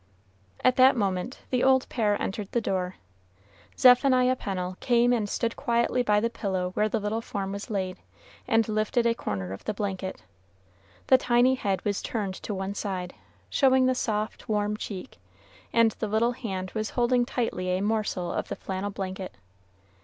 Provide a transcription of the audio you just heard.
At that moment the old pair entered the door. Zephaniah Pennel came and stood quietly by the pillow where the little form was laid, and lifted a corner of the blanket. The tiny head was turned to one side, showing the soft, warm cheek, and the little hand was holding tightly a morsel of the flannel blanket.